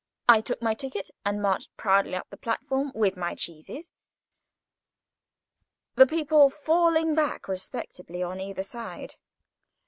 I took my ticket, and marched proudly up the platform, with my cheeses, the people falling back respectfully on either side.